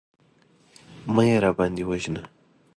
مه يې راباندې وژنه.